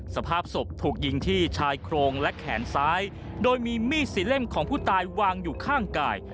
สภาพศพถูกยิงที่ชายโครงและแขนซ้ายโดยมีมีดสี่เล่มของผู้ตายวางอยู่ข้างกาย